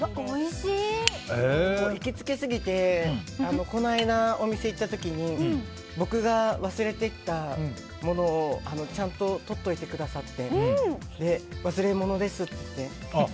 行きつけすぎてこの間、お店行った時に僕が忘れていった物をちゃんととっておいてくださって忘れ物ですって。